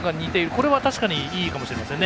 これは確かにいいかもしれませんね。